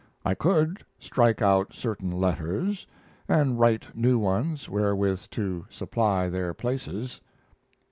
I could strike out certain letters, and write new ones wherewith to supply their places.